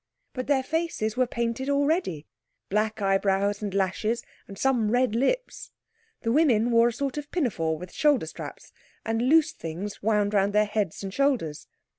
But their faces were painted already—black eyebrows and lashes, and some red lips. The women wore a sort of pinafore with shoulder straps, and loose things wound round their heads and shoulders.